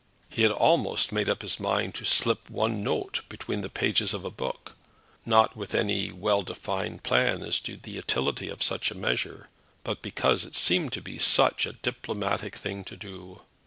He had almost made up his mind to slip one note between the pages of a book, not with any well defined plan as to the utility of such a measure, but because it seemed to be such a diplomatic thing to do!